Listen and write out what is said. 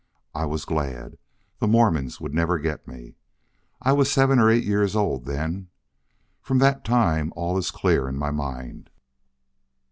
I was glad. The Mormons would never get me. I was seven or eight years old then. From that time all is clear in my mind.